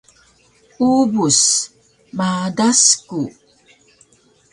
Ubus: Madas ku